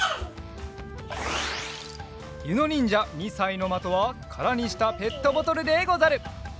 ゆのにんじゃ２さいのまとはからにしたペットボトルでござる。